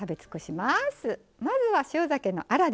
まずは塩ざけのアラですね。